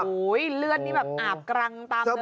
โอ้โฮเลือดนี่แบบอาบกรังตามเนื้อตัว